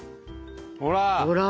ほら！